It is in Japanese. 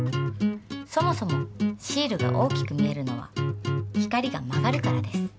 そもそもシールが大きく見えるのは光が曲がるからです。